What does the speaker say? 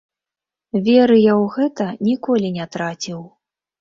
Веры я ў гэта ніколі не траціў.